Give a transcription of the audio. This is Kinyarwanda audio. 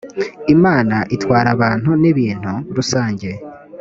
imana itwarabantu n’ibintu rusange